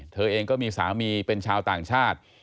เธอเองก็มีสามีเป็นชาวต่างชาติ